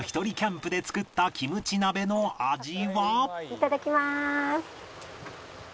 いただきます！